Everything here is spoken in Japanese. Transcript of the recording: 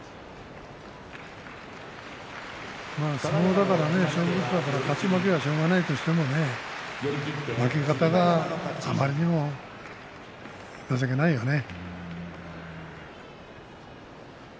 相撲だから勝ち負けはしょうがないとしても負け方があまりにも情けないよね。